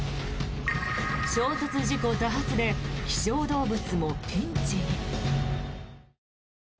衝突事故多発で希少動物もピンチに。